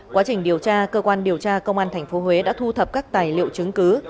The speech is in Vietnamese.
quá trình điều tra cơ quan điều tra công an tp huế đã thu thập các tài liệu chứng cứ